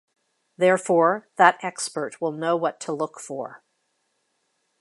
Therefore, that expert will know what to look for.